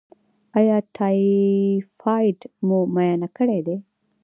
ایا ټایفایډ مو معاینه کړی دی؟